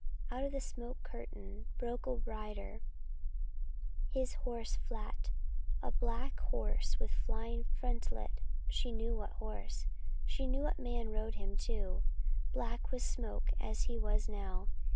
Out of the smoke curtain broke a rider, his horse flat; a black horse with flying frontlet she knew what horse. She knew what man rode him, too, black with smoke as he was now.